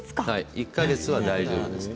１か月は大丈夫ですね。